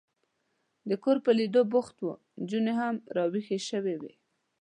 د کور په لیدو بوخت و، نجونې هم را وېښې شوې وې.